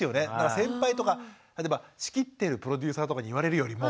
先輩とか例えば仕切ってるプロデューサーとかに言われるよりも。